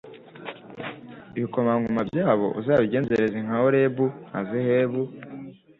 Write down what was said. Ibikomangoma byabo uzabigenzereze nka Orebu na Zehebu